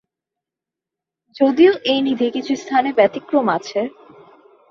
যদিও এই নীতি কিছু স্থানে ব্যতিক্রম আছে।